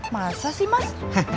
masa sih mas